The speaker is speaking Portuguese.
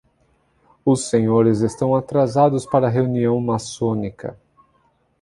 Os senhores estão atrasados para a reunião maçônica